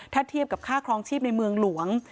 ถ้าเทียบกับค่าครองชีพในเมืองหลวง